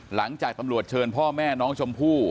หลังจากตำรวจเชิญพ่อแม่น้องชมพู่